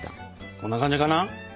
こんな感じかな？